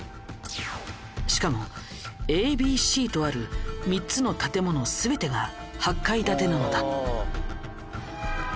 しかもＡＢＣとある３つの建物全てが８階建てなのだ。